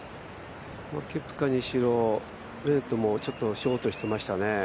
ケプカにしろ、ベネットもちょっとショートしてましたね。